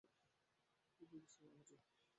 আপনি ব্যস্ত মনে হচ্ছে।